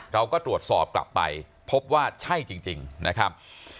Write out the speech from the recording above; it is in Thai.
เราก็ตรวจสอบกลับไปพบว่าใช่จริงนะครับ